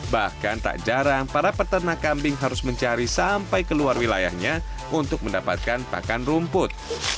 bahkan tak jarang para peternak kambing harus mencari sampai keluar wilayahnya untuk mendapatkan pakan rumput